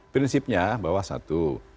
prinsipnya bahwa satu